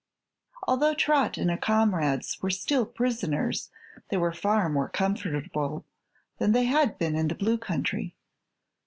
Although Trot and her comrades were still prisoners they were far more comfortable than they had been in the Blue Country.